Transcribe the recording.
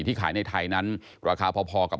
ที่ขายในไทยนั้นราคาพอกับ